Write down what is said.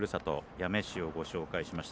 八女市をご紹介しました。